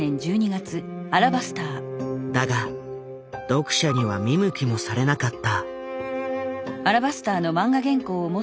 だが読者には見向きもされなかった。